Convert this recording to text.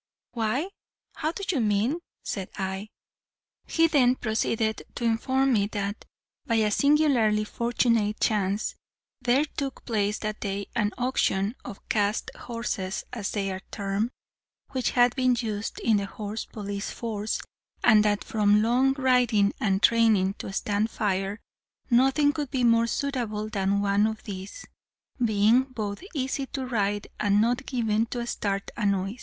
"'Why, how do you mean?' said I. "He then proceeded to inform me that, by a singularly fortunate chance, there took place that day an auction of 'cast horses,' as they are termed, which had been used in the horse police force; and that from long riding and training to stand fire, nothing could be more suitable than one of these, being both easy to ride and not given to start at noise.